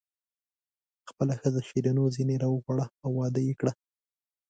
خپله ښځه شیرینو ځنې راوغواړه او واده یې کړه.